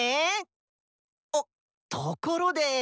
おっところで。